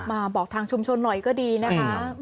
มาบอกทางชุมชนหน่อยก็ดีนะคะ